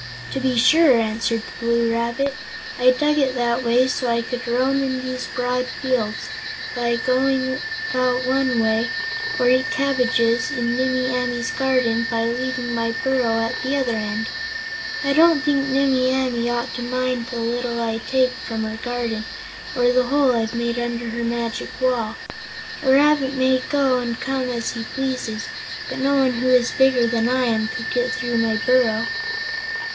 "To be sure," answered the Blue Rabbit; "I dug it that way so I could roam in these broad fields, by going out one way, or eat the cabbages in Nimmie Amee's garden by leaving my burrow at the other end. I don't think Nimmie Amee ought to mind the little I take from her garden, or the hole I've made under her magic wall. A rabbit may go and come as he pleases, but no one who is bigger than I am could get through my burrow."